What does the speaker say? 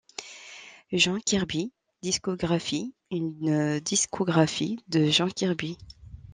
John Kirby discography, une discographie de John Kirby.